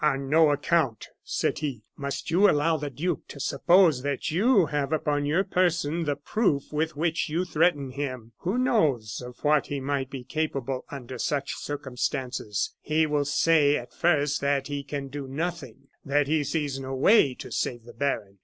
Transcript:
"On no account," said he, "must you allow the duke to suppose that you have upon your person the proof with which you threaten him. Who knows of what he might be capable under such circumstances? He will say, at first, that he can do nothing that he sees no way to save the baron.